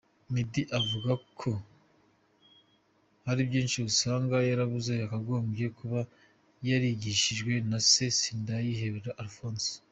Meddy avuga ko hari byinshi asanga yarabuze yakagombye kuba yarigishijwe na se Sindayihebura Alphonse.